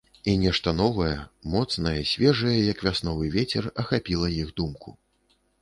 І нешта новае, моцнае, свежае, як вясновы вецер, ахапіла іх думку.